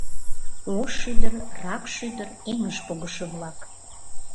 Ош ӱдыр, Ракш ӱдыр — эҥыж погышо-влак.